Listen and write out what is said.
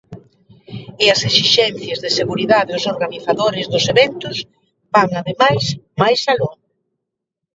E as exixencias de seguridade aos organizadores dos eventos van ademais máis aló.